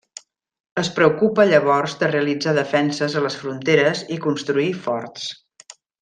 Es preocupa llavors de realitzar defenses a les fronteres i construir forts.